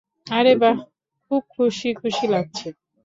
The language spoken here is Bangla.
আরে বাহ, খুব খুশি খুশি লাগছে।